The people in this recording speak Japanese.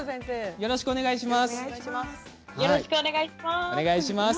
よろしくお願いします。